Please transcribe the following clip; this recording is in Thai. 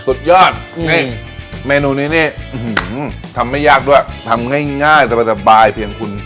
สุดยอดนี่เมนูนี้นี่ทำไม่ยากด้วยทำง่ายสบายเพียงคุณ